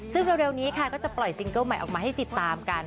ซึ่งเร็วนี้ค่ะก็จะปล่อยซิงเกิ้ลใหม่ออกมาให้ติดตามกัน